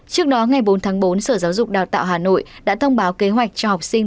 trước đó ngày bốn tháng bốn sở giáo dục đào tạo hà nội đã thông báo kế hoạch cho học sinh